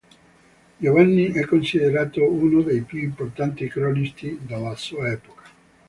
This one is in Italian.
Giovanni è considerato uno dei più importanti cronisti della sua epoca.